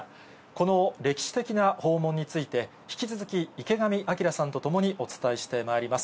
この歴史的な訪問について、引き続き、池上彰さんと共にお伝えしてまいります。